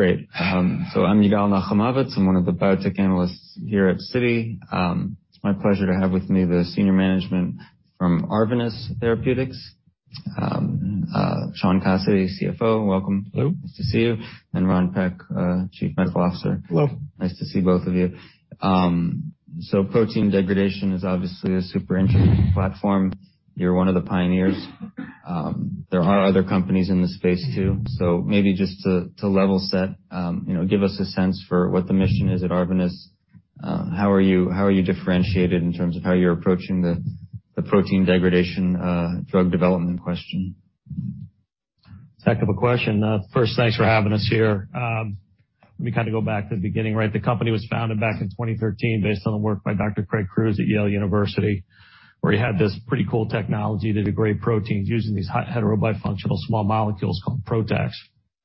Great. I'm Yigal Nochomovitz. I'm one of the Biotech Analysts here at Citi. Sean Cassidy, CFO. Welcome. Hello. Nice to see you. Ron Peck, Chief Medical Officer. Hello. Nice to see both of you. Protein degradation is obviously a super interesting platform. You're one of the pioneers. There are other companies in this space too. Maybe just to level set, you know, give us a sense for what the mission is at Arvinas. How are you differentiated in terms of how you're approaching the protein degradation drug development question? Heck of a question. First, thanks for having us here. Let me kind of go back to the beginning, right? The company was founded back in 2013 based on the work by Dr. Craig Crews at Yale University, where he had this pretty cool technology to degrade proteins using these hetero bifunctional small molecules called PROTACs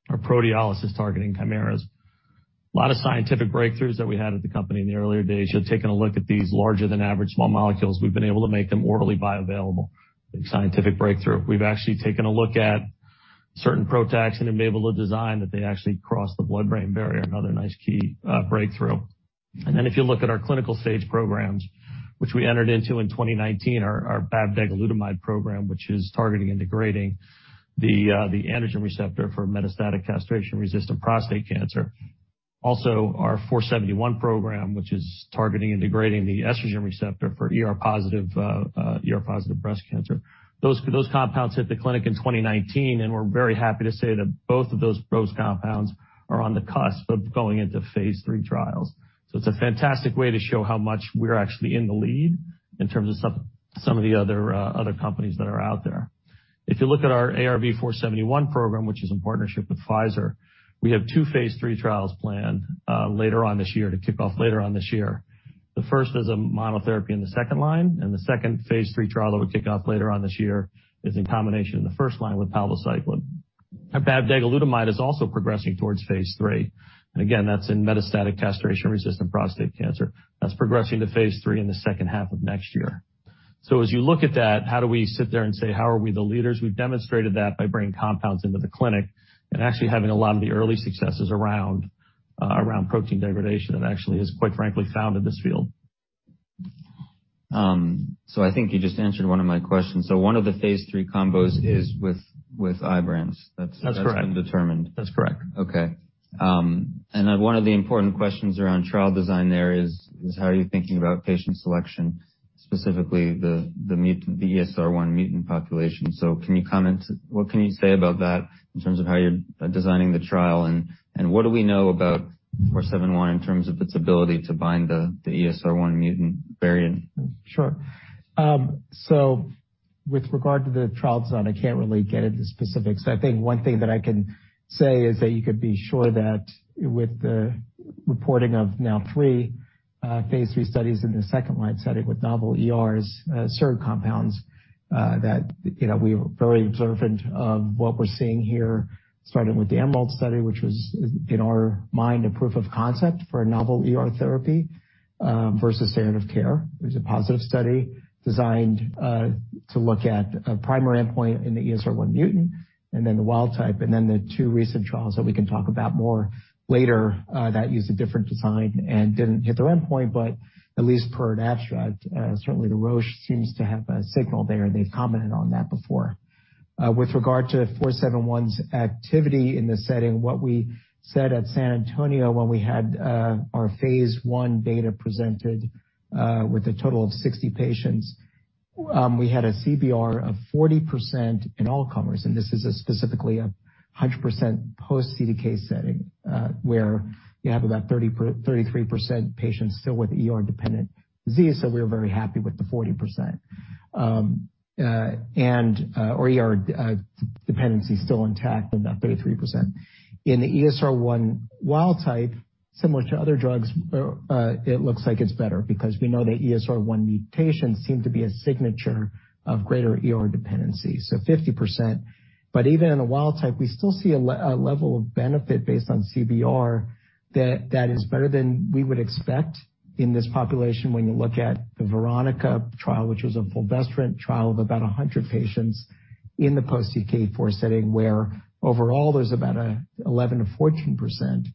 or proteolysis targeting chimeras. A lot of scientific breakthroughs that we had at the company in the earlier days. You know, taking a look at these larger than average small molecules, we've been able to make them orally bioavailable, a scientific breakthrough. We've actually taken a look at certain PROTACs and been able to design that they actually cross the blood-brain barrier, another nice key breakthrough. If you look at our clinical stage programs, which we entered into in 2019, our bavdegalutamide program, which is targeting and degrading the androgen receptor for metastatic castration-resistant prostate cancer. Also, our ARV-471 program, which is targeting and degrading the estrogen receptor for ER-positive breast cancer. Those compounds hit the clinic in 2019, and we're very happy to say that both of those compounds are on the cusp of going into phase III trials. It's a fantastic way to show how much we're actually in the lead in terms of some of the other companies that are out there. If you look at our ARV-471 program, which is in partnership with Pfizer, we have two phase III trials planned later on this year to kick off later on this year. The first is a monotherapy in the second line, and the second phase III trial that we'll kick off later on this year is in combination in the first line with palbociclib. Our bavdegalutamide is also progressing towards phase III. Again, that's in metastatic castration-resistant prostate cancer. That's progressing to phase III in the second half of next year. As you look at that, how do we sit there and say, how are we the leaders? We've demonstrated that by bringing compounds into the clinic and actually having a lot of the early successes around protein degradation that actually is, quite frankly, found in this field. I think you just answered one of my questions. One of the phase III combos is with IBRANCE. That's correct. That's been determined. That's correct. Okay. One of the important questions around trial design there is how are you thinking about patient selection, specifically the ESR1 mutant population? Can you comment, what can you say about that in terms of how you're designing the trial and what do we know about ARV-471 in terms of its ability to bind the ESR1 mutant variant? Sure. With regard to the trial design, I can't really get into specifics. I think one thing that I can say is that you could be sure that with the reporting of now 3 phase III studies in the second line setting with novel ERs SERD compounds that you know we're very observant of what we're seeing here, starting with the EMERALD study, which was in our mind a proof of concept for a novel ER therapy versus standard of care. It was a positive study designed to look at a primary endpoint in the ESR1 mutant and then the wild type, and then the two recent trials that we can talk about more later that used a different design and didn't hit their endpoint, but at least per an abstract, certainly the Roche seems to have a signal there, and they've commented on that before. With regard to ARV-471's activity in this setting, what we said at San Antonio when we had our phase I data presented with a total of 60 patients, we had a CBR of 40% in all comers, and this is specifically a 100% post-CDK setting, where you have about 33% patients still with ER-dependent disease, so we were very happy with the 40%, and ER dependency still intact in that 33%. In the ESR1 wild type, similar to other drugs, it looks like it's better because we know the ESR1 mutations seem to be a signature of greater ER dependency, so 50%. Even in a wild type, we still see a level of benefit based on CBR that is better than we would expect in this population when you look at the VERONICA trial, which was a fulvestrant trial of about 100 patients in the post-CDK4 setting where overall there's about a 11%-14%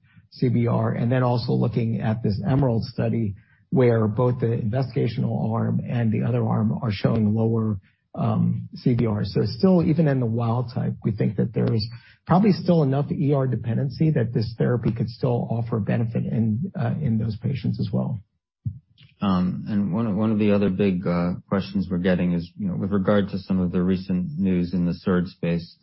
CBR. Then also looking at this EMERALD study, where both the investigational arm and the other arm are showing lower CBR. Still, even in the wild type, we think that there's probably still enough ER dependency that this therapy could still offer benefit in those patients as well. One of the other big questions we're getting is, you know, with regard to some of the recent news in the SERD space,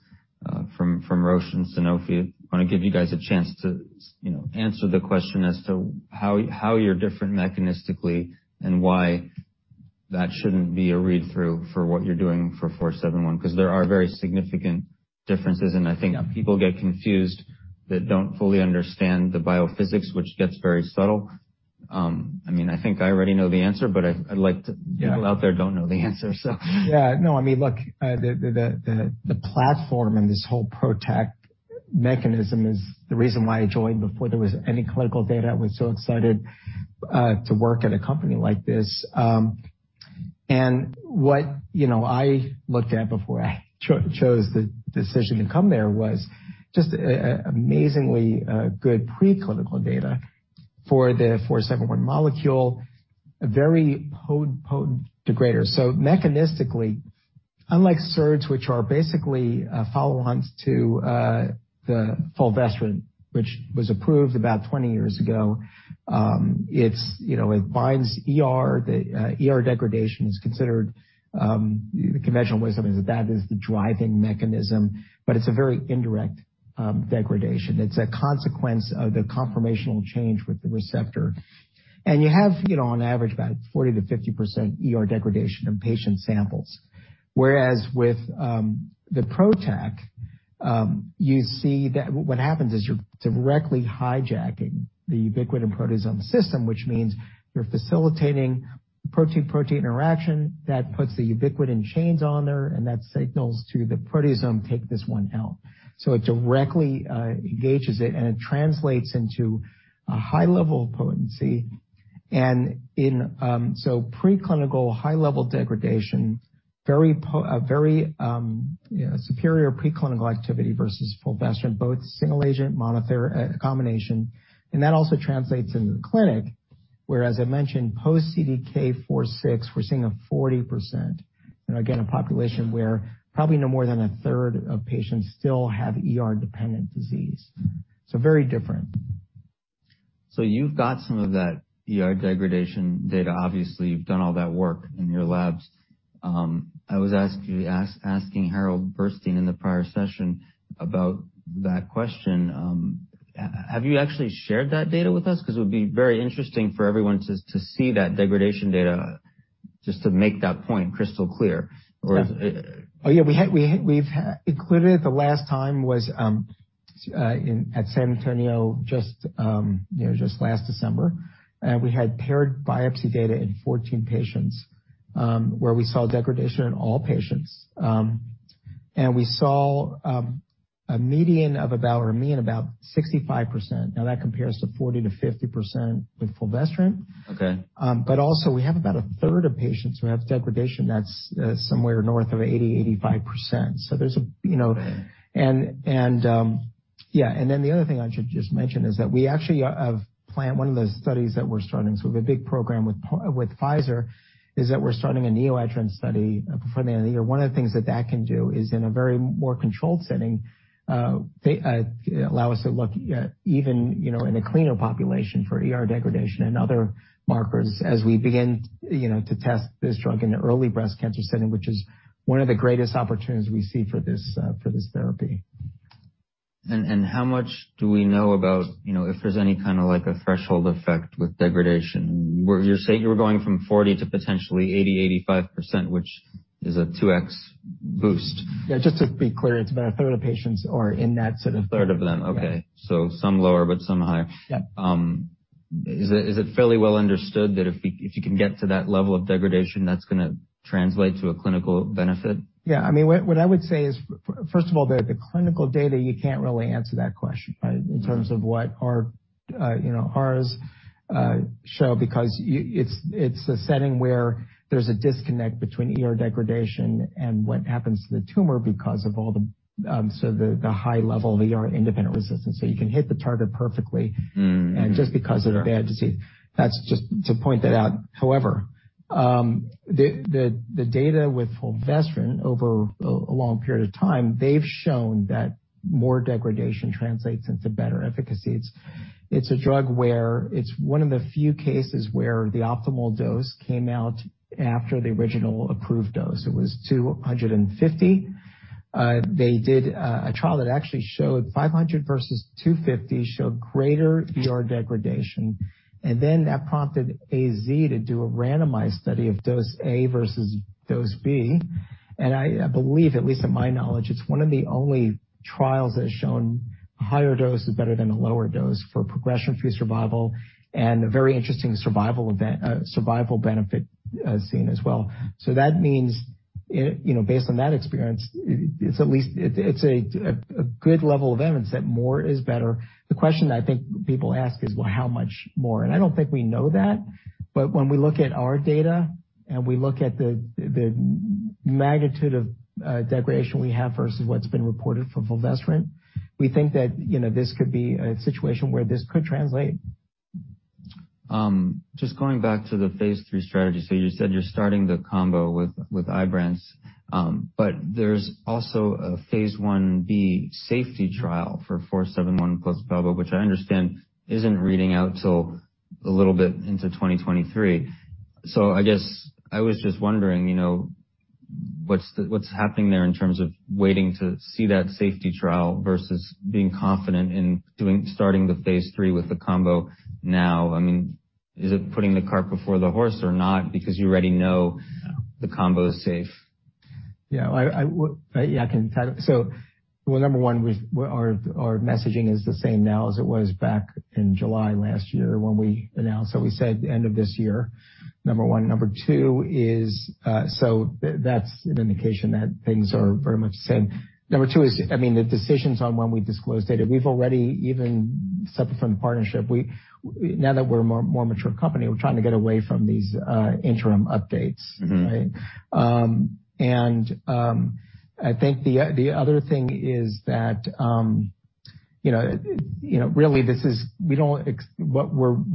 from Roche and Sanofi, wanna give you guys a chance to you know, answer the question as to how you're different mechanistically and why that shouldn't be a read-through for what you're doing for 471, 'cause there are very significant differences, and I think people get confused that don't fully understand the biophysics, which gets very subtle. I mean, I think I already know the answer, but I'd like to people out there don't know the answer, so. Yeah, no. I mean, look, the platform and this whole PROTAC mechanism is the reason why I joined before there was any clinical data. I was so excited to work at a company like this. What, you know, I looked at before I chose the decision to come there was just amazingly good preclinical data for the ARV-471 molecule, a very potent degrader. Mechanistically, unlike SERDs, which are basically follow-ons to the fulvestrant, which was approved about 20 years ago, it's, you know, it binds ER. The ER degradation is considered the conventional wisdom is that that is the driving mechanism, but it's a very indirect degradation. It's a consequence of the conformational change with the receptor. You have, you know, on average about 40%-50% ER degradation in patient samples. Whereas with the PROTAC, you see that what happens is you're directly hijacking the ubiquitin proteasome system, which means you're facilitating protein-protein interaction that puts the ubiquitin chains on there, and that signals to the proteasome, take this one out. So it directly engages it, and it translates into a high level of potency and in so preclinical high-level degradation, a very, you know, superior preclinical activity versus fulvestrant, both single agent, combination. That also translates into the clinic, where, as I mentioned, post CDK4/6, we're seeing a 40%. You know, again, a population where probably no more than a third of patients still have ER-dependent disease. Very different. You've got some of that ER degradation data. Obviously, you've done all that work in your labs. I was asking Harold Burstein in the prior session about that question. Have you actually shared that data with us? 'Cause it would be very interesting for everyone to see that degradation data just to make that point crystal clear. Yeah. Oh, yeah, we had we've included it. The last time was at San Antonio, just you know just last December. We had paired biopsy data in 14 patients, where we saw degradation in all patients. We saw a median of about or a mean about 65%. Now that compares to 40%-50% with fulvestrant. Okay. Also we have about a third of patients who have degradation that's somewhere north of 85%. Then the other thing I should just mention is that we actually have planned one of the studies that we're starting. The big program with Pfizer is that we're starting a neoadjuvant study before the end of the year. One of the things that that can do is in a much more controlled setting, they allow us to look even, you know, in a cleaner population for ER degradation and other markers as we begin, you know, to test this drug in the early breast cancer setting, which is one of the greatest opportunities we see for this therapy. How much do we know about, you know, if there's any kinda like a threshold effect with degradation? You're saying you were going from 40 to potentially 80%-85%, which is a 2x boost. Yeah. Just to be clear, it's about a third of patients are in that sort of. Third of them. Okay. Some lower, but some higher. Yeah. Is it fairly well understood that if you can get to that level of degradation, that's gonna translate to a clinical benefit? Yeah. I mean, what I would say is first of all, the clinical data, you can't really answer that question, right? In terms of what our, you know, ours show, because it's a setting where there's a disconnect between ER degradation and what happens to the tumor because of all the, so the high level of ER-independent resistance. You can hit the target perfectly. Just because of the bad disease. That's just to point that out. However, the data with fulvestrant over a long period of time, they've shown that more degradation translates into better efficacy. It's a drug where it's one of the few cases where the optimal dose came out after the original approved dose. It was 250. They did a trial that actually showed 500 versus 250 showed greater ER degradation. That prompted AstraZeneca to do a randomized study of dose A versus dose B. I believe, at least to my knowledge, it's one of the only trials that has shown higher dose is better than a lower dose for progression-free survival and a very interesting survival benefit seen as well. That means, you know, based on that experience, it's at least a good level of evidence that more is better. The question I think people ask is, well, how much more? I don't think we know that. When we look at our data and we look at the magnitude of degradation we have versus what's been reported for fulvestrant, we think that, you know, this could be a situation where this could translate. Just going back to the phase III strategy. You said you're starting the combo with IBRANCE. There's also a phase I-B safety trial for 471 plus palbo, which I understand isn't reading out till a little bit into 2023. I guess I was just wondering, you know, what's happening there in terms of waiting to see that safety trial versus being confident in starting the phase III with the combo now? I mean, is it putting the cart before the horse or not? Because you already know the combo is safe. Yeah. Well, number one, our messaging is the same now as it was back in July last year when we announced that we said end of this year, number one. Number two is, that's an indication that things are very much the same. Number two is, I mean, the decisions on when we disclose data. We've already, even separate from the partnership. Now that we're a more mature company, we're trying to get away from these interim updates. Mm-hmm. I think the other thing is that, you know, really this is, we don't know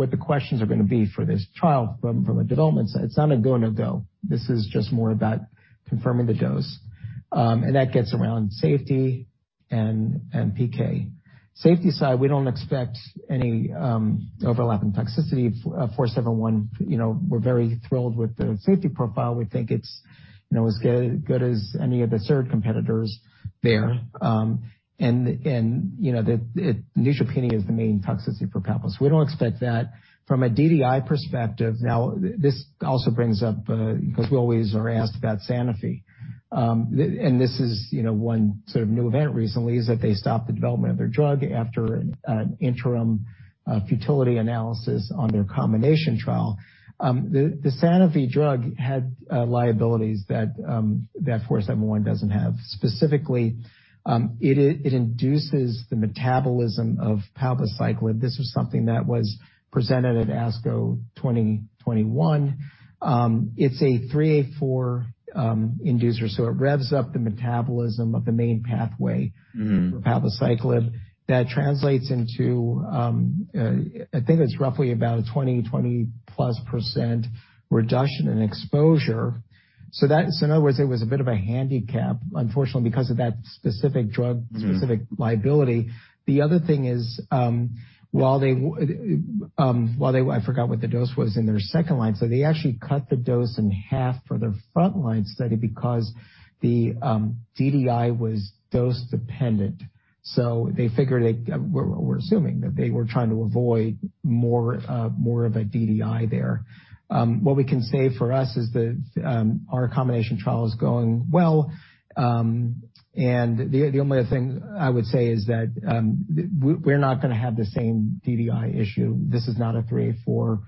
what the questions are going to be for this trial from a development side. It's not a go, no-go. This is just more about confirming the dose, and that gets around safety and PK. On the safety side, we don't expect any overlap in toxicity. ARV-471, you know, we're very thrilled with the safety profile. We think it's, you know, as good as any of the other competitors there. You know, the neutropenia is the main toxicity for palbociclib. We don't expect that. From a DDI perspective, now this also brings up, because we always are asked about Sanofi. This is, you know, one sort of new event recently is that they stopped the development of their drug after an interim futility analysis on their combination trial. The Sanofi drug had liabilities that 471 doesn't have. Specifically, it induces the metabolism of palbociclib. This was something that was presented at ASCO 2021. It's a 3A4 inducer, so it revs up the metabolism of the main pathway. For palbociclib. That translates into, I think it's roughly about a 20-20+% reduction in exposure. That's, in other words, a bit of a handicap, unfortunately, because of that specific drug, specific liability. The other thing is, I forgot what the dose was in their second line. They actually cut the dose in half for their frontline study because the DDI was dose dependent. They figured, we're assuming that they were trying to avoid more of a DDI there. What we can say for us is that, our combination trial is going well. The only other thing I would say is that, we're not going to have the same DDI issue. This is not a CYP3A4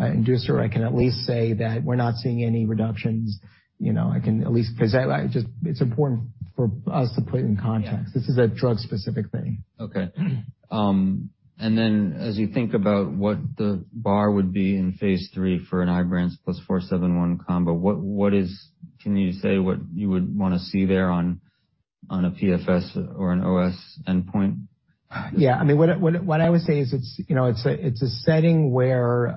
inducer. I can at least say that we're not seeing any reductions. You know, 'cause I just, it's important for us to put in context. This is a drug-specific thing. As you think about what the bar would be in phase III for an IBRANCE plus ARV-471 combo, what is, can you say what you would want to see there on a PFS or an OS endpoint? I mean, what I would say is it's a setting where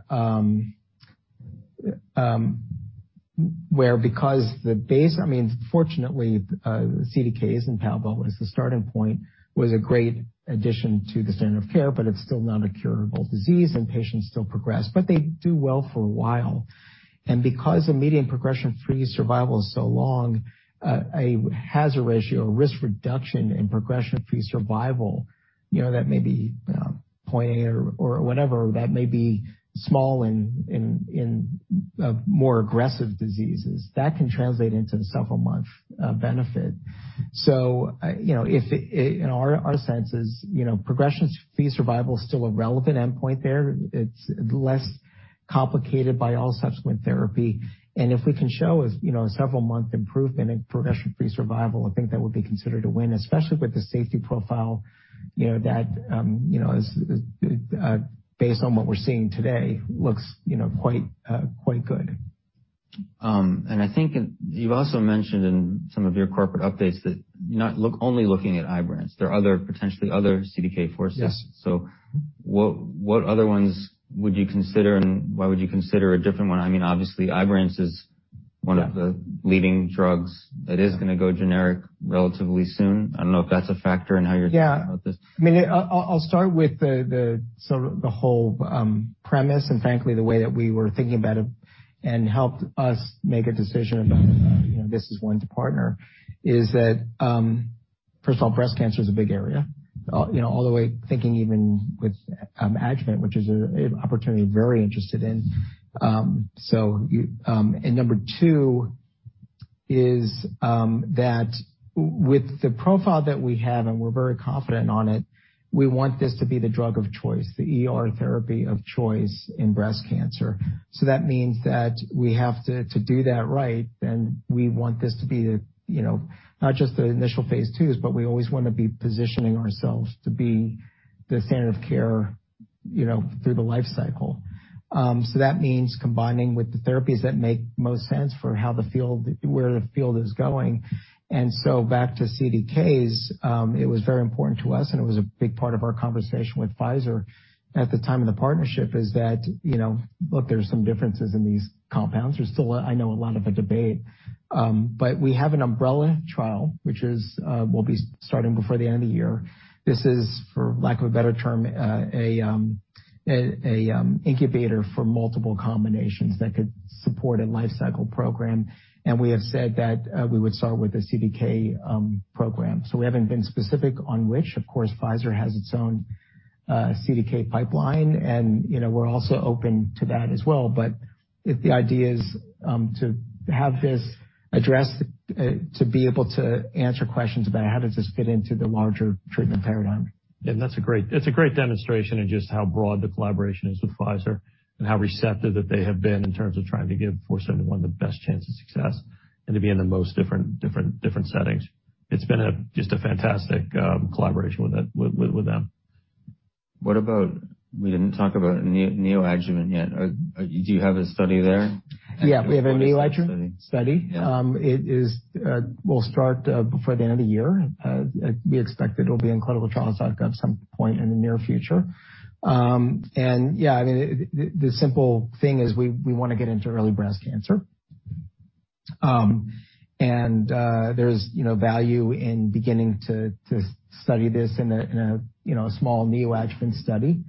because the base—I mean, fortunately, CDK in palbociclib as the starting point was a great addition to the standard of care, but it's still not a curable disease and patients still progress, but they do well for a while. Because the median progression-free survival is so long, a hazard ratio risk reduction in progression-free survival, you know, that may be 0.8 or whatever, that may be small in more aggressive diseases. That can translate into several months benefit. You know, in our sense is progression-free survival is still a relevant endpoint there. It's less complicated by all subsequent therapy. If we can show, you know, a several-month improvement in progression-free survival, I think that would be considered a win, especially with the safety profile, you know, that you know is you know quite good. I think you've also mentioned in some of your corporate updates that only looking at IBRANCE, there are other, potentially other CDK4s. Yeah. What other ones would you consider and why would you consider a different one? I mean, obviously, IBRANCE is one of the leading drugs that is going to go generic relatively soon. I don't know if that's a factor in how you're thinking about this. Yeah. I mean, I'll start with the whole premise and frankly, the way that we were thinking about it and helped us make a decision about, you know, this is one to partner, is that first of all, breast cancer is a big area. You know, all the way thinking even with adjuvant, which is an opportunity we're very interested in. You and number two is that with the profile that we have, and we're very confident on it, we want this to be the drug of choice, the ER therapy of choice in breast cancer. That means that we have to do that right, then we want this to be, you know, not just the initial phase II's, but we always want to be positioning ourselves to be the standard of care, you know, through the life cycle. That means combining with the therapies that make most sense for where the field is going. Back to CDKs, it was very important to us, and it was a big part of our conversation with Pfizer at the time of the partnership, is that, you know, look, there's some differences in these compounds. There's still, I know, a lot of debate. We have an umbrella trial, which will be starting before the end of the year. This is, for lack of a better term, an incubator for multiple combinations that could support a life cycle program. We have said that we would start with the CDK program. We haven't been specific on which. Of course, Pfizer has its own CDK pipeline, and you know, we're also open to that as well. If the idea is to have this addressed to be able to answer questions about how does this fit into the larger treatment paradigm. That's a great demonstration of just how broad the collaboration is with Pfizer and how receptive that they have been in terms of trying to give 471 the best chance of success and to be in the most different settings. It's been just a fantastic collaboration with them. What about? We didn't talk about neoadjuvant yet. Do you have a study there? Yeah, we have a neoadjuvant study. Yeah. We'll start before the end of the year. We expect it'll be in ClinicalTrials.gov some point in the near future. Yeah, I mean, the simple thing is we wanna get into early breast cancer. There's, you know, value in beginning to study this in a small neoadjuvant study.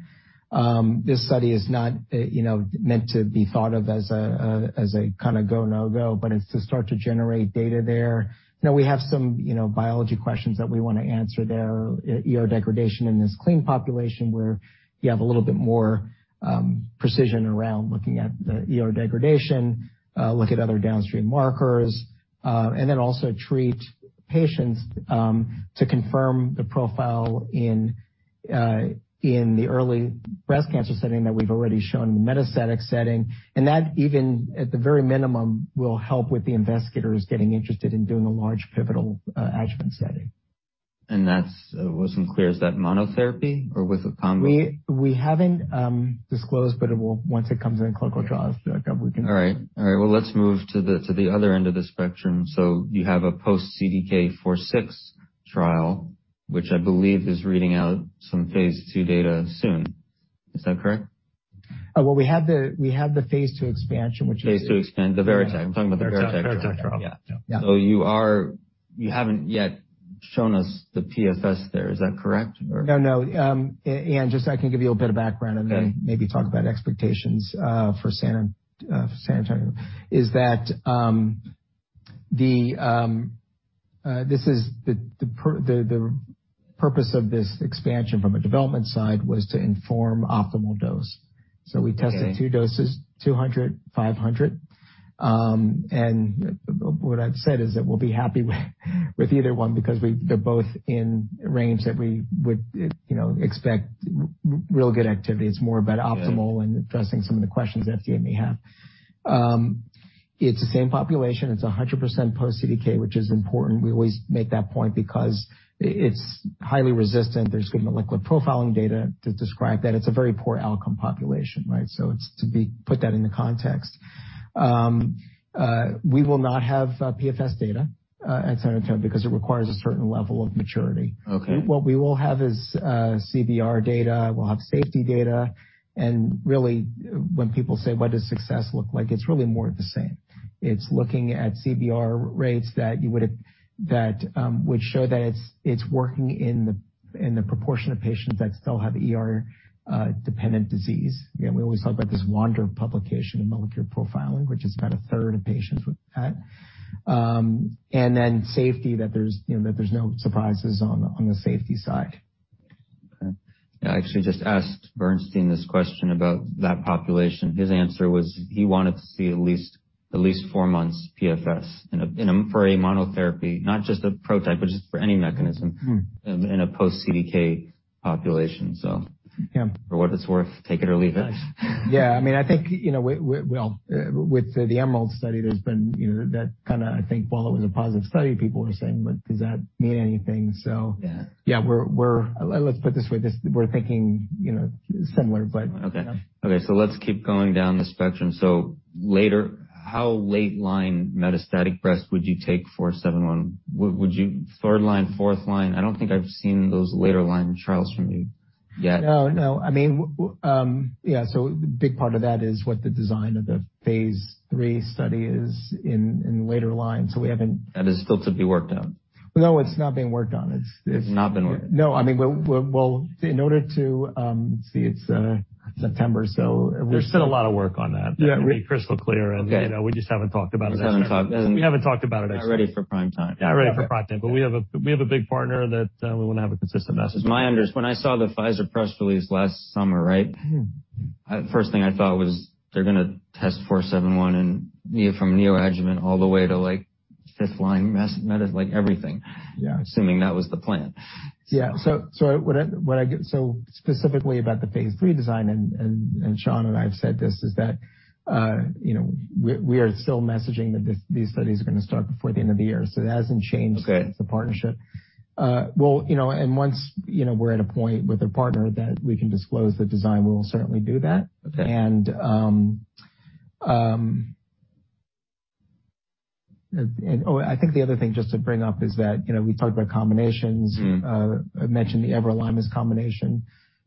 This study is not, you know, meant to be thought of as a kinda go-no-go, but it's to start to generate data there. You know, we have some, you know, biology questions that we wanna answer there, ER degradation in this clean population where you have a little bit more precision around looking at the ER degradation, look at other downstream markers, and then also treat patients to confirm the profile in the early breast cancer setting that we've already shown in the metastatic setting. That, even at the very minimum, will help with the investigators getting interested in doing a large pivotal adjuvant setting. It wasn't clear. Is that monotherapy or with a combo? We haven't disclosed, but it will once it comes in ClinicalTrials.gov, we can. All right, well, let's move to the other end of the spectrum. You have a post CDK4/6 trial, which I believe is reading out some phase II data soon. Is that correct? Well, we had the phase II expansion, which is. The VERITAC. I'm talking about the VERITAC trial. VERITAC trial. Yeah. Yeah. You haven't yet shown us the PFS there. Is that correct? Or No, no. Just, I can give you a bit of background. Okay. maybe talk about expectations for San Antonio. Is that this is the purpose of this expansion from a development side was to inform optimal dose. Okay. We tested two doses, 200, 500. What I've said is that we'll be happy with either one because they're both in range that we would, you know, expect real good activity. It's more about optimal. Got it. Addressing some of the questions FDA may have. It's the same population. It's 100% post CDK, which is important. We always make that point because it's highly resistant. There's good molecular profiling data to describe that it's a very poor outcome population, right? It's to put that into context. We will not have PFS data at San Antonio because it requires a certain level of maturity. Okay. What we will have is CBR data, we'll have safety data, and really when people say, "What does success look like?" It's really more of the same. It's looking at CBR rates that would show that it's working in the proportion of patients that still have ER dependent disease. You know, we always talk about this Wander publication in molecular profiling, which is about a third of patients with that. Safety, that there's you know no surprises on the safety side. Okay. I actually just asked Noah Berkowitz this question about that population. His answer was he wanted to see at least four months PFS for a monotherapy, not just a PROTAC, but just for any mechanism. In a post-CDK population, so. Yeah. For what it's worth, take it or leave it. Yeah. I mean, I think, you know, well, with the EMERALD study, there's been, you know, that kinda I think while it was a positive study, people are saying, "But does that mean anything? Let's put it this way. We're thinking, you know, similar, but- Okay. Yeah. Okay, let's keep going down the spectrum. Later, how late-line metastatic breast would you take ARV-471? Would you third-line, fourth-line? I don't think I've seen those later-line trials from you yet. No, no. I mean, yeah. Big part of that is what the design of the phase III study is in later line, so we haven't- That is still to be worked on. No, it's not being worked on. It's not being worked on. No. I mean, well, in order to, let's see, it's September. There's still a lot of work on that. Yeah. To be crystal clear. Okay. You know, we just haven't talked about it. Just haven't talked, yeah. We haven't talked about it, I see. Not ready for prime time. Not ready for prime time. We have a big partner that we wanna have a consistent message. When I saw the Pfizer press release last summer, right? Mm-hmm. First thing I thought was they're gonna test ARV-471 from neoadjuvant all the way to, like, fifth line meta, like everything. Yeah. Assuming that was the plan. Yeah. What I get so specifically about the phase III design, and Sean and I have said this, is that, you know, we are still messaging that these studies are gonna start before the end of the year, so it hasn't changed. Okay. Since the partnership. Well, you know, once, you know, we're at a point with a partner that we can disclose the design, we'll certainly do that. Okay. I think the other thing just to bring up is that, you know, we talked about combinations. I mentioned the everolimus combination,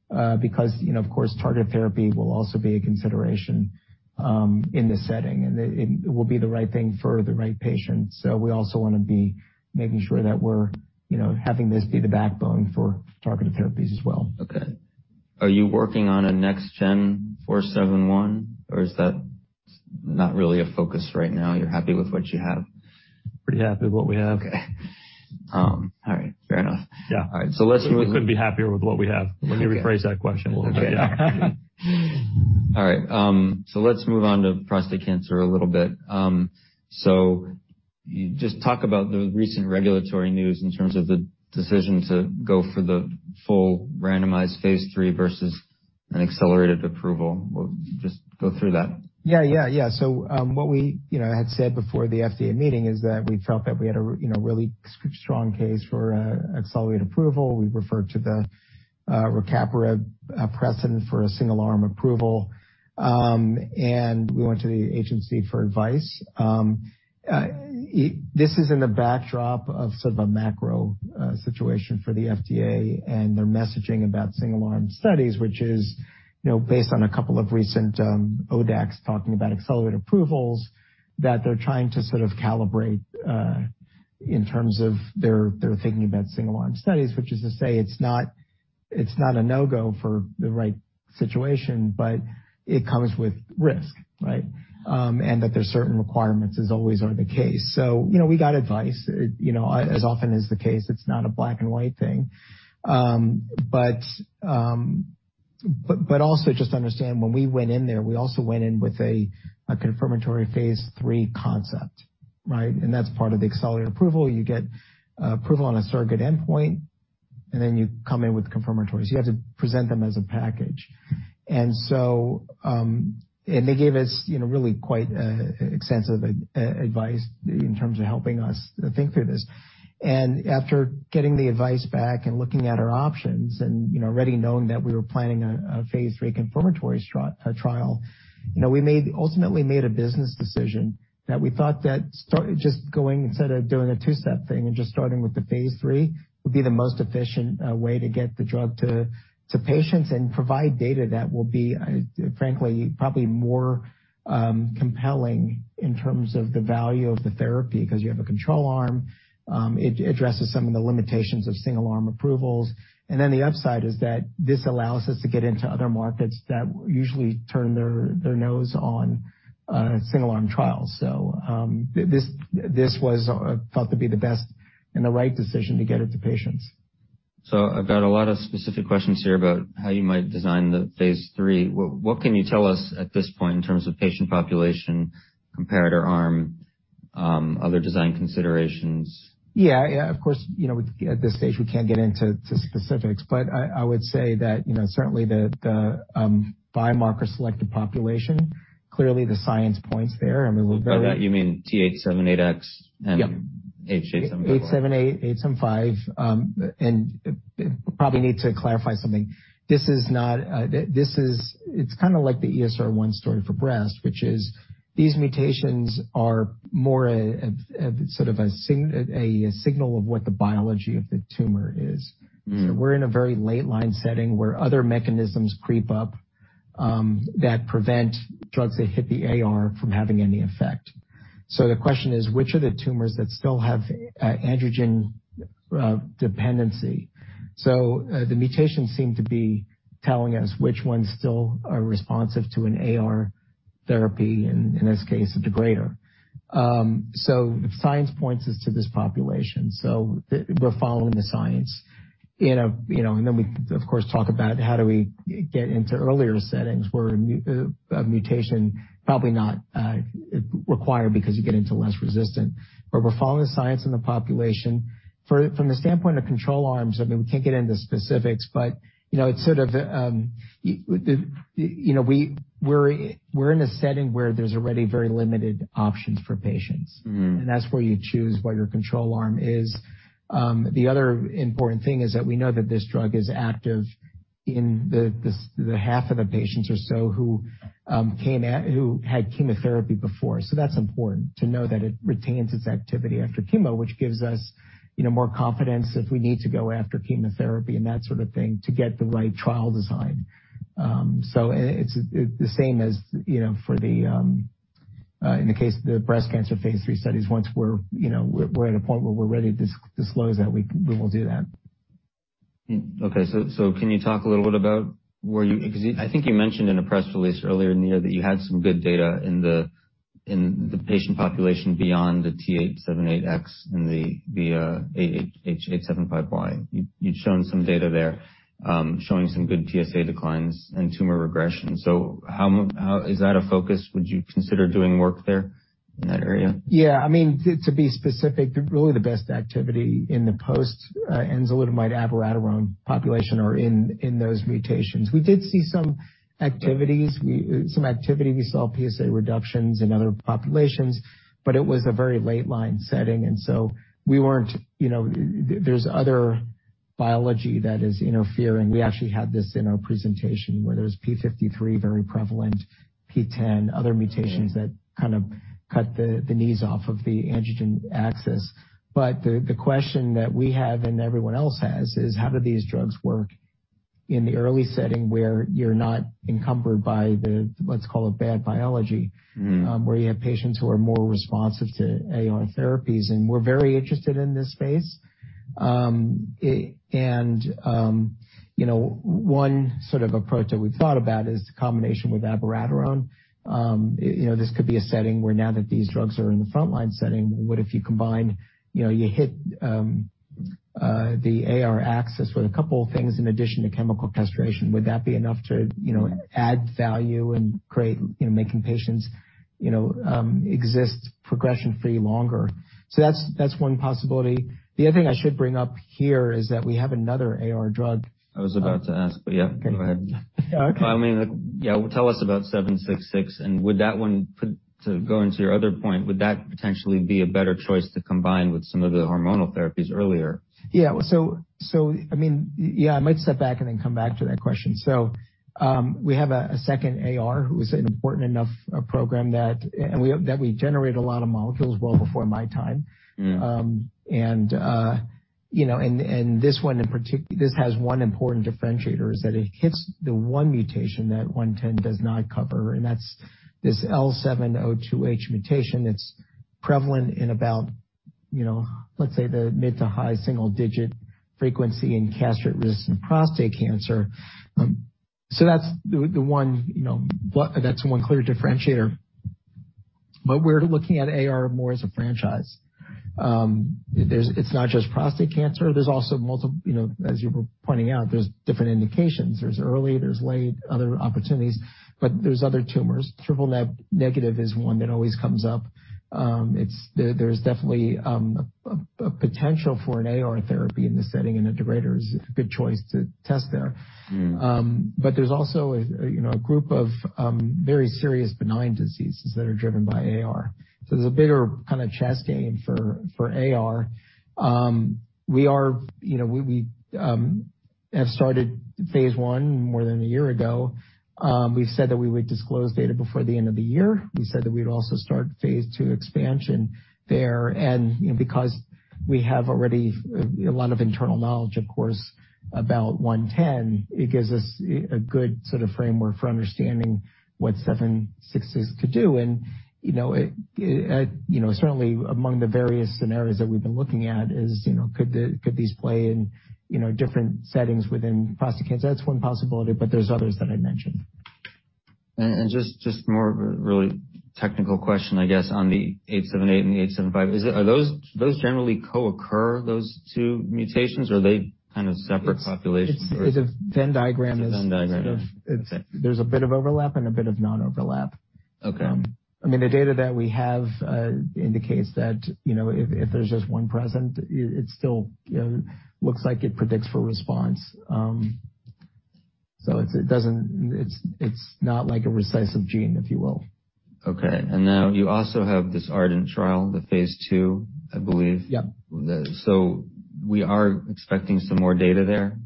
because, you know, of course, targeted therapy will also be a consideration, in this setting, and it will be the right thing for the right patient. We also wanna be making sure that we're, you know, having this be the backbone for targeted therapies as well. Okay. Are you working on a next gen four-seven-one or is that not really a focus right now? You're happy with what you have? Pretty happy with what we have. Okay. All right. Fair enough. Yeah. All right. Let's move. We couldn't be happier with what we have. Okay. Let me rephrase that question a little bit. All right. Let's move on to prostate cancer a little bit. You just talk about the recent regulatory news in terms of the decision to go for the full randomized phase III versus an accelerated approval. We'll just go through that. Yeah, what we, you know, had said before the FDA meeting is that we felt that we had a, you know, really strong case for accelerated approval. We referred to the rucaparib precedent for a single-arm approval. We went to the agency for advice. This is in the backdrop of sort of a macro situation for the FDA and their messaging about single-arm studies, which is, you know, based on a couple of recent ODACs talking about accelerated approvals, that they're trying to sort of calibrate in terms of their thinking about single-arm studies, which is to say it's not a no-go for the right situation, but it comes with risk, right? That there's certain requirements, as always are the case. You know, we got advice. You know, as often is the case, it's not a black and white thing. But also just understand, when we went in there, we also went in with a confirmatory phase III concept, right? That's part of the accelerated approval. You get approval on a surrogate endpoint, and then you come in with confirmatories. You have to present them as a package. They gave us, you know, really quite extensive advice in terms of helping us think through this. After getting the advice back and looking at our options and, you know, already knowing that we were planning a phase III confirmatory trial, you know, we ultimately made a business decision that we thought that just going, instead of doing a two-step thing and just starting with the phase III, would be the most efficient way to get the drug to patients and provide data that will be, frankly, probably more compelling in terms of the value of the therapy. Because you have a control arm, it addresses some of the limitations of single-arm approvals. Then the upside is that this allows us to get into other markets that usually turn their nose on single-arm trials. This was thought to be the best and the right decision to get it to patients. I've got a lot of specific questions here about how you might design the phase III. What can you tell us at this point in terms of patient population, comparator arm, other design considerations? Yeah. Yeah. Of course, you know, at this stage, we can't get into specifics, but I would say that, you know, certainly the biomarker selected population, clearly the science points there. I mean, we're very. By that you mean T878X- Yep. And H875. 878, 875. Probably need to clarify something. This is not, it's kinda like the ESR1 story for breast, which is these mutations are more, sort of, a signal of what the biology of the tumor is. We're in a very late line setting where other mechanisms creep up that prevent drugs that hit the AR from having any effect. The question is, which are the tumors that still have androgen dependency? The mutations seem to be telling us which ones still are responsive to an AR therapy, in this case, a degrader. Science points us to this population. We're following the science. We of course talk about how do we get into earlier settings where a mutation probably not required because you get into less resistant. We're following the science in the population. From the standpoint of control arms, I mean, we can't get into specifics, but, you know, it's sort of, you know, we're in a setting where there's already very limited options for patients. Mm-hmm. That's where you choose what your control arm is. The other important thing is that we know that this drug is active in the half of the patients or so who had chemotherapy before. That's important to know that it retains its activity after chemo, which gives us, you know, more confidence if we need to go after chemotherapy and that sort of thing to get the right trial design. It's the same as, you know, in the case of the breast cancer phase III studies. Once we're, you know, at a point where we're ready to disclose that, we will do that. Okay. Can you talk a little bit about where you, because I think you mentioned in a press release earlier in the year that you had some good data in the patient population beyond the T878X and the H875Y. You'd shown some data there showing some good PSA declines and tumor regression. How is that a focus? Would you consider doing work there in that area? Yeah. I mean, to be specific, really the best activity in the post-enzalutamide/abiraterone population are in those mutations. We did see some activities. Some activity, we saw PSA reductions in other populations, but it was a very late-line setting, and so we weren't, you know. There's other biology that is interfering. We actually had this in our presentation where there's p53, very prevalent, PTEN, other mutations that kind of cut the knees off of the androgen axis. The question that we have and everyone else has is, how do these drugs work in the early setting where you're not encumbered by the, what's called a bad biology. Where you have patients who are more responsive to AR therapies, and we're very interested in this space. You know, one sort of approach that we've thought about is the combination with abiraterone. You know, this could be a setting where now that these drugs are in the frontline setting, what if you combine, you know, you hit the AR axis with a couple of things in addition to chemical castration? Would that be enough to, you know, add value and create, you know, making patients, you know, exist progression-free longer? That's one possibility. The other thing I should bring up here is that we have another AR drug. I was about to ask, but yeah, go ahead. Okay. I mean, yeah, tell us about ARV-766, and would that one, to go into your other point, would that potentially be a better choice to combine with some of the hormonal therapies earlier? Yeah. I mean, yeah, I might step back and then come back to that question. We have a second ARV which is an important enough program that and we hope that we generate a lot of molecules well before my time. You know, this has one important differentiator, is that it hits the one mutation that ARV-110 does not cover, and that's this L702H mutation. It's prevalent in about, let's say, the mid- to high single-digit frequency in castration-resistant prostate cancer. So that's the one. That's one clear differentiator, but we're looking at AR more as a franchise. It's not just prostate cancer. There's also multiple, as you were pointing out, there's different indications. There's early, there's late, other opportunities, but there's other tumors. Triple-negative is one that always comes up. There's definitely a potential for an AR therapy in this setting, and ARV-766 is a good choice to test there. There's also, you know, a group of very serious benign diseases that are driven by AR. There's a bigger kind of chess game for AR. You know, we have started phase I more than a year ago. We've said that we would disclose data before the end of the year. We said that we'd also start phase II expansion there. You know, because we have already a lot of internal knowledge, of course, about one ten, it gives us a good sort of framework for understanding what seven six six could do. You know, it, you know, certainly among the various scenarios that we've been looking at is, you know, could these play in, you know, different settings within prostate cancer? That's one possibility, but there's others that I mentioned. Just more of a really technical question, I guess, on the 878 and the 875. Are those generally co-occur, those two mutations? Or are they kind of separate populations? It's a Venn diagram. A Venn diagram. It's sort of. Okay. There's a bit of overlap and a bit of non-overlap. Okay. I mean, the data that we have indicates that, you know, if there's just one present, it still, you know, looks like it predicts for response. It doesn't. It's not like a recessive gene, if you will. Okay. Now you also have this ARDENT trial, the phase II, I believe. Yeah. We are expecting some more data there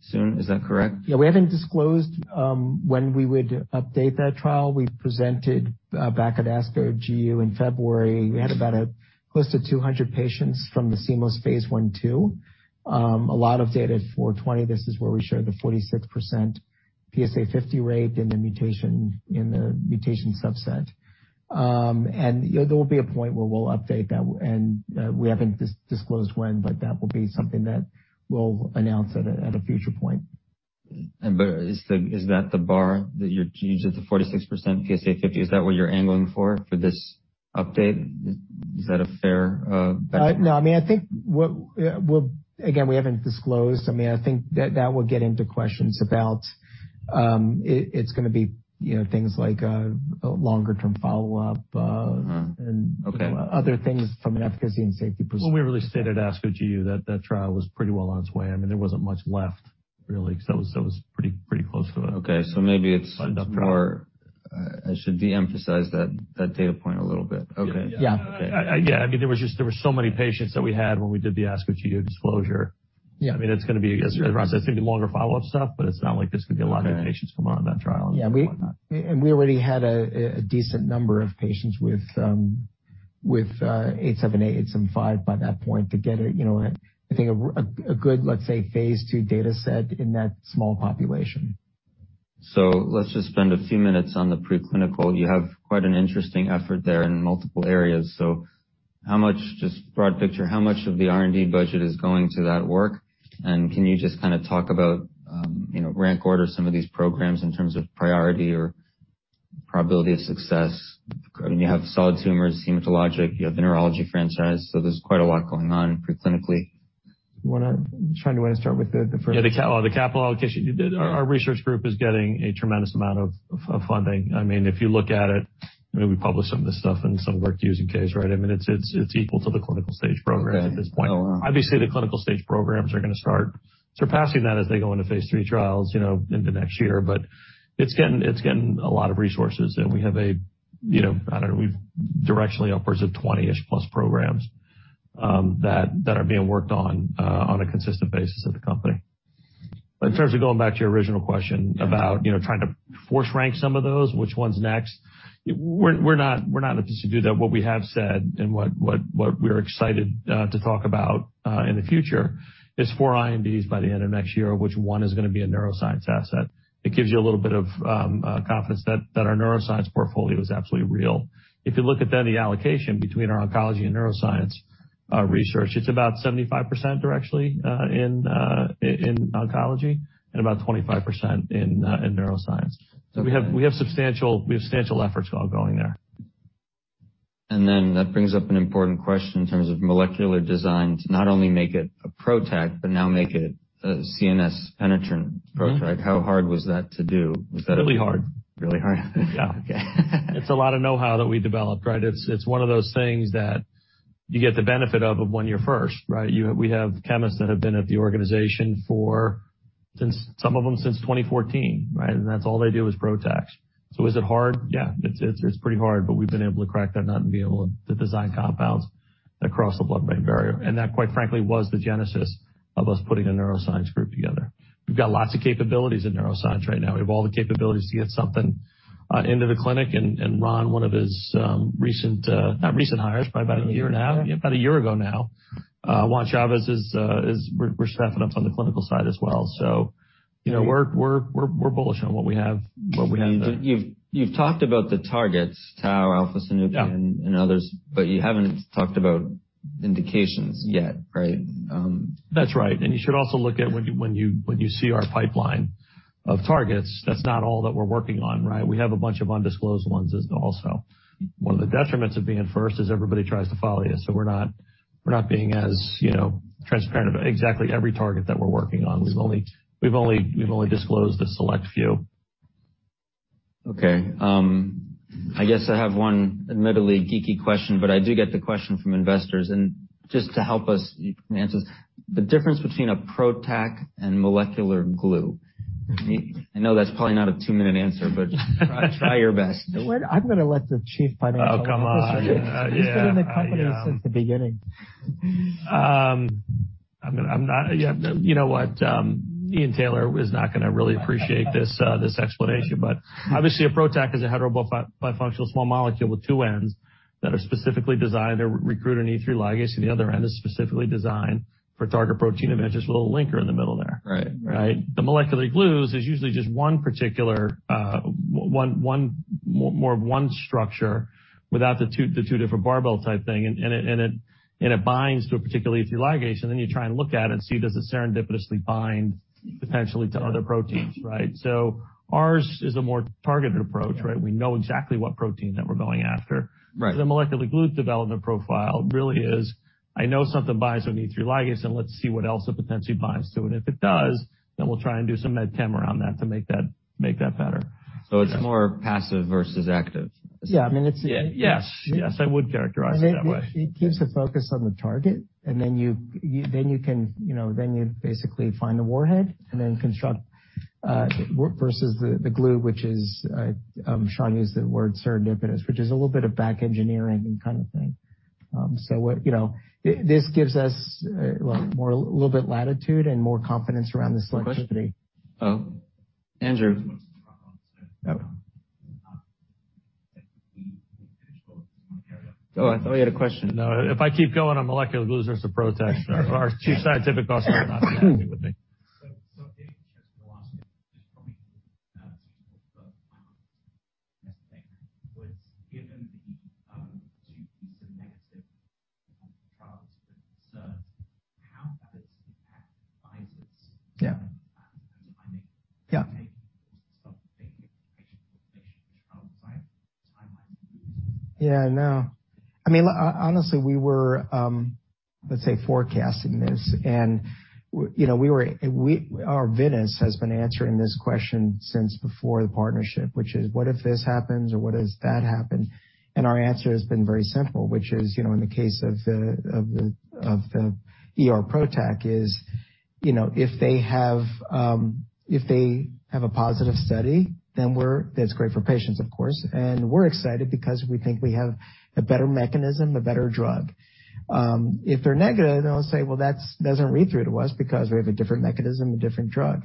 soon. Is that correct? Yeah, we haven't disclosed when we would update that trial. We presented back at ASCO GU in February. We had about close to 200 patients from the seamless phase I/II. A lot of data at 420, this is where we showed the 46% PSA50 rate in the mutation subset. There will be a point where we'll update that, and we haven't disclosed when, but that will be something that we'll announce at a future point. Is that the bar that you said the 46% PSA50, is that what you're angling for this update? Is that a fair benchmark? No. I mean, I think. Again, we haven't disclosed. I mean, I think that will get into questions about it. It's gonna be, you know, things like a longer-term follow-up. Okay. Other things from an efficacy and safety perspective. Well, we really stayed at ASCO GU, that trial was pretty well on its way. I mean, there wasn't much left, really, 'cause that was pretty close to it. Okay. Maybe it's more. I should de-emphasize that data point a little bit. Okay. Yeah. Yeah. I mean, there were so many patients that we had when we did the ASCO GU disclosure. Yeah. I mean, it's gonna be, as Ron Peck said, it's gonna be longer follow-up stuff, but it's not like this could be a lot of new patients come on that trial and whatnot. Yeah. We already had a decent number of patients with 878, 875 by that point to get a, you know, I think a good, let's say, phase II data set in that small population. Let's just spend a few minutes on the preclinical. You have quite an interesting effort there in multiple areas. How much, just broad picture, how much of the R&D budget is going to that work? Can you just kinda talk about, you know, rank order some of these programs in terms of priority or probability of success? I mean, you have solid tumors, hematologic, you have the neurology franchise, so there's quite a lot going on preclinically. Sean, you wanna start with the first. Yeah, the capital allocation. Our research group is getting a tremendous amount of funding. I mean, if you look at it, I mean, we publish some of this stuff and some work using case, right? I mean, it's equal to the clinical stage programs at this point. Okay. Oh, wow. Obviously, the clinical stage programs are gonna start surpassing that as they go into phase III trials, you know, into next year, but it's getting a lot of resources. We have a, you know, I don't know, we've directionally upwards of 20-ish plus programs that are being worked on on a consistent basis at the company. In terms of going back to your original question about, you know, trying to force rank some of those, which one's next, we're not at a place to do that. What we have said and what we're excited to talk about in the future is four INDs by the end of next year, of which one is gonna be a neuroscience asset. It gives you a little bit of confidence that our neuroscience portfolio is absolutely real. If you look at the allocation between our oncology and neuroscience research, it's about 75% directionally in oncology, and about 25% in neuroscience. We have substantial efforts all going there. that brings up an important question in terms of molecular design to not only make it a PROTAC, but now make it a CNS penetrant PROTAC. How hard was that to do? Was that- Really hard. Really hard? Yeah. Okay. It's a lot of know-how that we developed, right? It's one of those things that you get the benefit of when you're first, right? We have chemists that have been at the organization for since some of them since 2014, right? That's all they do is PROTACs. Is it hard? Yeah, it's pretty hard, but we've been able to crack that nut and be able to design compounds across the blood-brain barrier. That, quite frankly, was the genesis of us putting a neuroscience group together. We've got lots of capabilities in neuroscience right now. We have all the capabilities to get something into the clinic and Ron Peck, one of his recent, not recent hires, probably about 1.5 years, about 1 year ago now, Juan Chavez. We're bullish on what we have there. You've talked about the targets, Tau, Alpha-synuclein. Yeah. others, but you haven't talked about indications yet, right? That's right. You should also look at when you see our pipeline of targets, that's not all that we're working on, right? We have a bunch of undisclosed ones as well, too. One of the detriments of being first is everybody tries to follow you. We're not being as, you know, transparent about exactly every target that we're working on. We've only disclosed a select few. Okay. I guess I have one admittedly geeky question, but I do get the question from investors. Just to help us answer, the difference between a PROTAC and molecular glue. I know that's probably not a two-minute answer, but just try your best. Well, I'm gonna let the Chief Financial Officer. Oh, come on. He's been in the company since the beginning. Yeah, you know what, Ian Taylor is not gonna really appreciate this explanation, but obviously a PROTAC is a heterobifunctional small molecule with two ends that are specifically designed to recruit an E3 ligase, and the other end is specifically designed for target protein, and there's just a little linker in the middle there. Right. Right? The molecular glues is usually just one particular one more of one structure without the two different barbell type thing, and it binds to a particular E3 ligase. You try and look at it and see, does it serendipitously bind potentially to other proteins, right? Ours is a more targeted approach, right? We know exactly what protein that we're going after. Right. The molecular glue development profile really is, I know something binds with E3 ligase, and let's see what else it potentially binds to. If it does, then we'll try and do some med chem around that to make that better. It's more passive versus active. Yeah. I mean, it's Yes. Yes, I would characterize it that way. It keeps the focus on the target, and then you can, you know, then you basically find a warhead and then construct versus the glue, which is, Sean used the word serendipitous, which is a little bit of reverse engineering kind of thing. What, you know, this gives us a little bit more latitude and more confidence around the selectivity. Oh, Andrew. Oh, I thought you had a question. No. If I keep going on molecular glues versus PROTACs, our Chief Scientific Officer will not be happy with me. Yeah. Yeah, no. I mean, honestly, we were, let's say, forecasting this and, you know, we were Arvinas has been answering this question since before the partnership, which is, what if this happens or what does that happen? Our answer has been very simple, which is, you know, in the case of the ER PROTAC, if they have a positive study, then that's great for patients, of course. We're excited because we think we have a better mechanism, a better drug. If they're negative, then we'll say, "Well, that doesn't read through to us because we have a different mechanism, a different drug."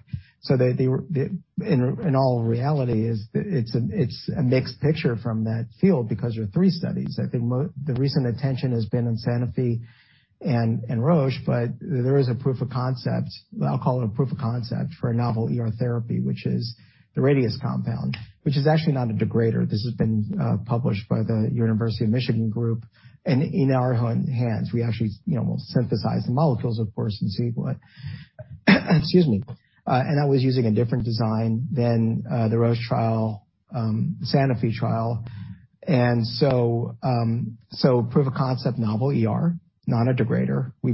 In all reality it's a mixed picture from that field because there are three studies. I think the recent attention has been on Sanofi and Roche, but there is a proof of concept. I'll call it a proof of concept for a novel ER therapy, which is the Radius compound, which is actually not a degrader. This has been published by the University of Michigan group. In our own hands, we actually, you know, will synthesize the molecules, of course, and see what. Excuse me. That was using a different design than the Roche trial, Sanofi trial. Proof of concept, novel ER, not a degrader. We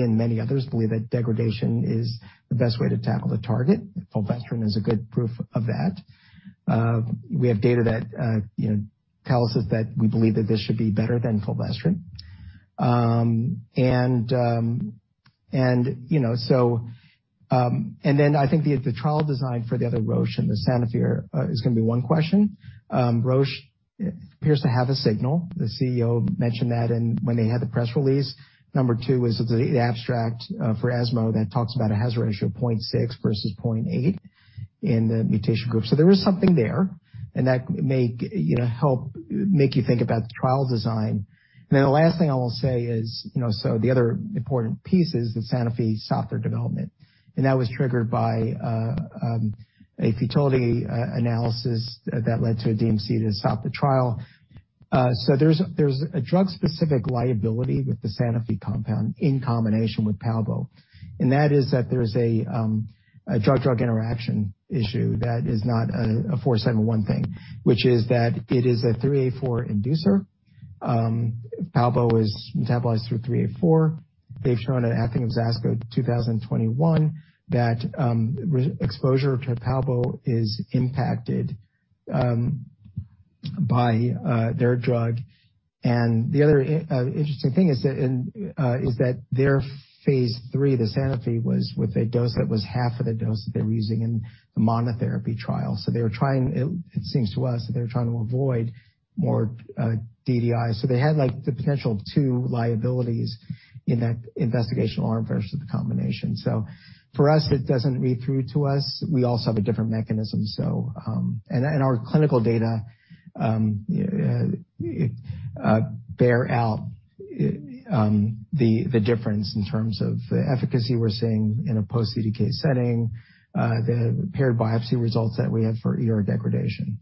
and many others believe that degradation is the best way to tackle the target. Fulvestrant is a good proof of that. We have data that, you know, tells us that we believe that this should be better than Fulvestrant. I think the trial design for the other Roche and the Sanofi is gonna be one question. Roche appears to have a signal. The CEO mentioned that when they had the press release. Number two is the abstract for ESMO that talks about a hazard ratio of 0.6 versus 0.8 in the mutation group. There is something there and that may, you know, help make you think about the trial design. The last thing I will say is, you know, the other important piece is that Sanofi stopped their development, and that was triggered by a futility analysis that led to a DMC to stop the trial. There's a drug-specific liability with the Sanofi compound in combination with Palbo, and that is that there is a drug-drug interaction issue that is not an ARV-471 thing, which is that it is a CYP3A4 inducer. Palbo is metabolized through CYP3A4. They've shown at ASCO 2021 that exposure to Palbo is impacted by their drug. The other interesting thing is that their phase III, the Sanofi, was with a dose that was half of the dose that they were using in the monotherapy trial. It seems to us that they were trying to avoid more DDIs. They had, like, the potential of two liabilities in that investigational R versus the combination. For us, it doesn't read through to us. We also have a different mechanism. Our clinical data bear out the difference in terms of the efficacy we're seeing in a post-CDK setting, the paired biopsy results that we had for ER degradation.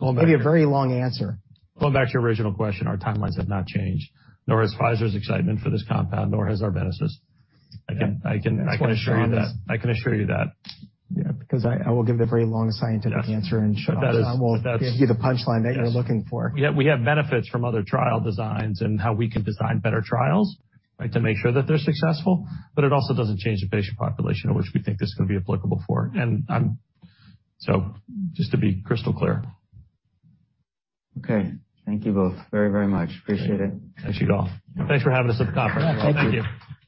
I'll give you a very long answer. Going back to your original question, our timelines have not changed, nor has Pfizer's excitement for this compound, nor has Arvinas's. I can assure you that. Yeah, because I will give the very long scientific answer, and Sean won't give you the punchline that you're looking for. Yeah. We have benefits from other trial designs and how we can design better trials, right? To make sure that they're successful, but it also doesn't change the patient population of which we think this is gonna be applicable for. Just to be crystal clear. Okay. Thank you both very, very much. Appreciate it. Thanks, Yigal. Thanks for having us at the conference. Thank you.